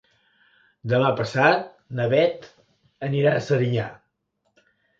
Demà passat na Beth anirà a Serinyà.